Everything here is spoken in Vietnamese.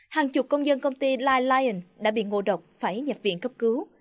hàng chục công dân công ty light lion đã bị ngộ độc phải nhập viện cấp cứu